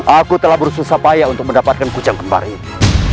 aku telah bersusah payah untuk mendapatkan kujang kembar itu